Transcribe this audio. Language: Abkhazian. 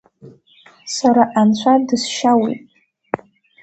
Сара Анцәа дысшьауҩуп.